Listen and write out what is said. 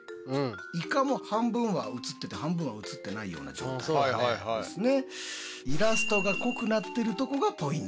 いかも半分は映ってて半分は映ってないような状態ですね。